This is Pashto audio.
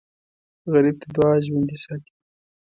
غریب ته دعا ژوندي ساتي